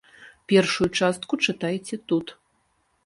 Першую частку чытайце тут.